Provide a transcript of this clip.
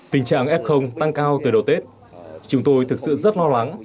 tình trạng f tăng cao từ đầu tết chúng tôi thực sự rất lo lắng